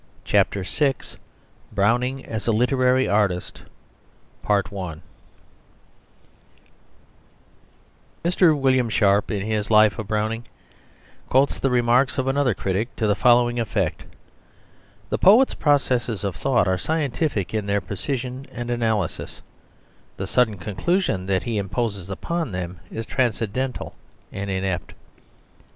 CHAPTER VI BROWNING AS A LITERARY ARTIST Mr. William Sharp, in his Life of Browning, quotes the remarks of another critic to the following effect: "The poet's processes of thought are scientific in their precision and analysis; the sudden conclusion that he imposes upon them is transcendental and inept."